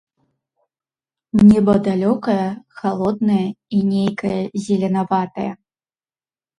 Неба далёкае, халоднае і нейкае зеленаватае.